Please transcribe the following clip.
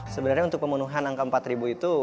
sebenarnya untuk pemenuhan angka empat itu